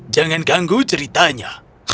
jangan ganggu ceritanya